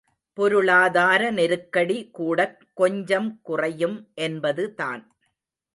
பொருளாதார நெருக்கடி கூடக் கொஞ்சம் குறையும் என்பது தான்.